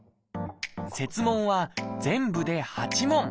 設問は全部で８問。